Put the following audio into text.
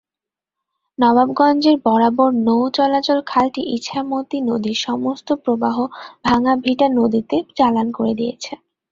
নবাবগঞ্জের বররাহ নৌ চলাচল খালটি ইছামতি নদীর সমস্ত প্রবাহ ভাঙ্গাভিটা নদীতে চালান করে দিয়েছে।